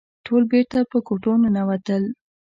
ټول بېرته په کوټو ننوتل.